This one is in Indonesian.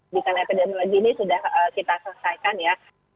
bukan epidemiologi ini sudah kita selesaikan ya